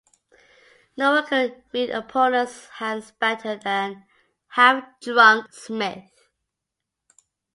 No one could read opponents' hands better than half- drunk Smith.